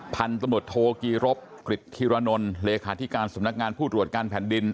พันธุ์ตำรวจโทกีรบกริจธิรนลเลขาธิการสำนักงานผู้ตรวจการแผ่นดิน